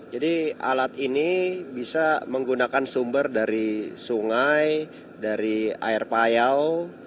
jadi alat ini bisa menggunakan sumber dari sungai dari air payau